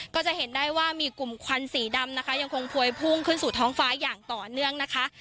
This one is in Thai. ก็จะเห็นได้ว่ามีกลุ่มควันสีดำนะคะยังคงพวยพุ่งขึ้นสู่ท้องฟ้าอย่างต่อเนื่องนะคะ